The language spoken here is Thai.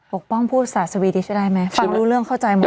ปกป้องพูดศาสตร์สวีดิชได้ไหมฟังรู้เรื่องเข้าใจหมดแล้ว